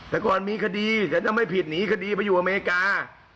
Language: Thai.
แต่ก่อนมีขดีจะจะไม่ผิดหนีขดีไปอยู่อเมกา